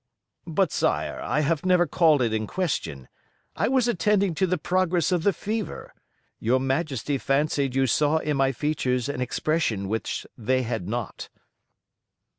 "But, Sire, I have never called it in question. I was attending to the progress of the fever: your Majesty fancied you saw in my features an expression which they had not."